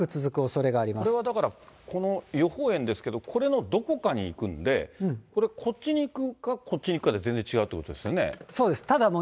これはだから、この予報円ですけれども、これのどこかに行くんで、これ、こっちに行くかこっちに行くかで、そうです。